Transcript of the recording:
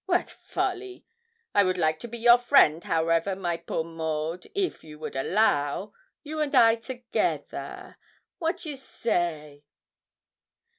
wat folly! I would like to be your friend, however, my poor Maud, if you would allow you and I together wat you say?'